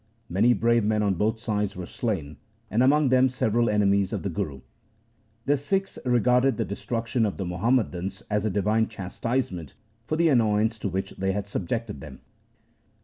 Many brave men on both sides were slain, and among them several enemies of the Guru. The Sikhs regarded the destruction of the Muhammadans as a divine chastisement for the annoyance to which they had subjected them.